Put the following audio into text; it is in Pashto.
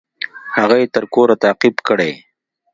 هغه يې تر کوره تعقيب کړى.